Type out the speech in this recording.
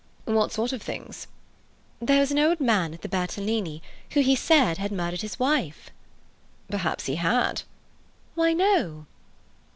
"What sort of things?" "There was an old man at the Bertolini whom he said had murdered his wife." "Perhaps he had." "No!"